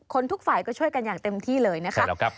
ทุกฝ่ายก็ช่วยกันอย่างเต็มที่เลยนะคะ